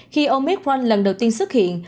khi omicron lần đầu tiên xuất hiện